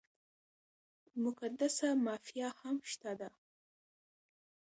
مقدسه مافیا هم شته ده.